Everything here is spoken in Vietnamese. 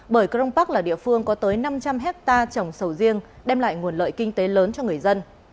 bởi crong bắc là địa phương có tới năm trăm linh hecta trồng sầu riêng đem lại nguồn lợi kinh tế lớn cho người dân